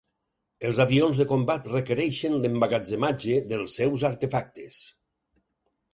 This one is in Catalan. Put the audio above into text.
Els avions de combat requereixen l'emmagatzematge dels seus artefactes.